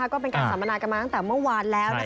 ก็เป็นการสัมมนากันมาตั้งแต่เมื่อวานแล้ว